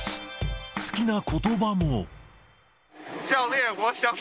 好きなことばも。